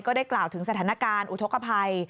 ได้กล่าวถึงสถานการณ์อุทธกภัย